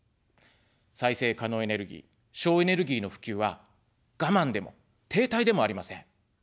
再生可能エネルギー、省エネルギーの普及は我慢でも停滞でもありません。